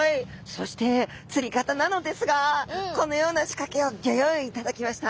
そして釣り方なのですがこのような仕掛けをギョ用意いただきました。